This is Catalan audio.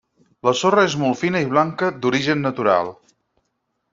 La sorra és molt fina i blanca d'origen natural.